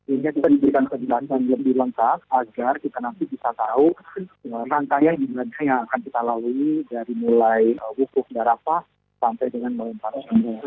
ini kita diberikan kegiatan yang lebih lengkap agar kita nanti bisa tahu rangkaian ibadah yang akan kita lalui dari mulai uki arafah sampai dengan malay pak cumbang